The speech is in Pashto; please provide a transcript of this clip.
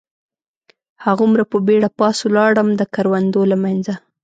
هغومره په بېړه پاس ولاړم، د کروندو له منځه.